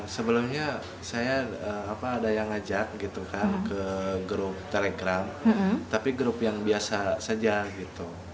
sebelumnya saya ada yang ngajak gitu kan ke grup telegram tapi grup yang biasa saja gitu